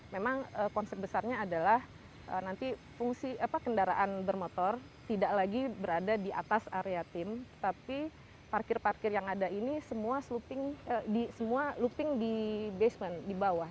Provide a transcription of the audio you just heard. memang konsep besarnya adalah nanti fungsi kendaraan bermotor tidak lagi berada di atas area tim tapi parkir parkir yang ada ini semua looping di basement di bawah